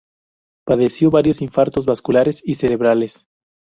Padeció varios infartos vasculares y cerebrales.